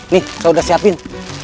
nih saya udah siapin